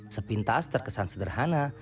sepintas terkesan sederhana